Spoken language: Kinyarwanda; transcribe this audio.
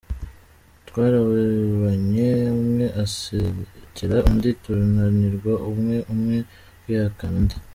Twararebanye, umwe asekera undi tunanirwa umwe umwe kwihakana undi.